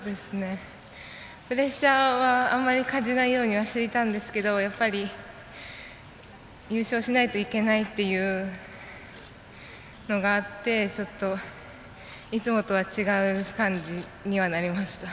プレッシャーはあまり感じないようにはしていたんですけどやっぱり、優勝しないといけないっていうのがあってちょっと、いつもとは違う感じにはなりました。